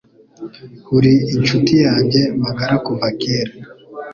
Uri inshuti yanjye magara kuva kera